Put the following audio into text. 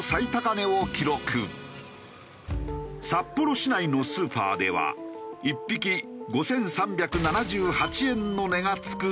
札幌市内のスーパーでは１匹５３７８円の値が付く事態に。